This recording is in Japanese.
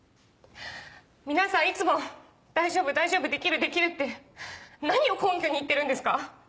皆さんいつも「大丈夫大丈夫できるできる」って何を根拠に言ってるんですか？